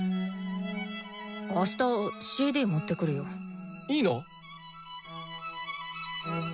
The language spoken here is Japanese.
あしたＣＤ持ってくるよ。いいの？